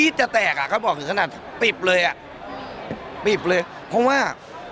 จะแตกอ่ะเขาบอกถึงขนาดปิบเลยอ่ะปิบเลยเพราะว่า